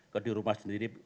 kalau di rumah sendiri